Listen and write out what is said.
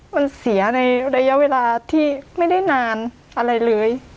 มันเสียในระยะเวลาที่ไม่ได้นานอะไรเลย